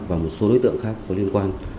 và một số đối tượng khác có liên quan